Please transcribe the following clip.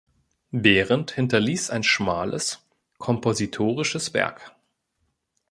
Behrend hinterließ ein schmales kompositorisches Werk.